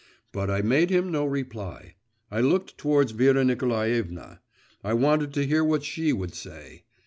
… But I made him no reply; I looked towards Vera Nikolaevna … I wanted to hear what she would say.